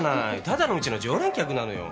ただのうちの常連客なのよ。